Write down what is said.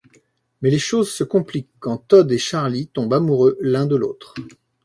Mais les choses se compliquent quand Todd et Charlie tombent amoureux l'un de l'autre.